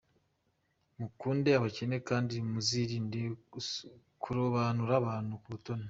Mukunde abakene akandi muzirinde kurobanura abantu ku butoni.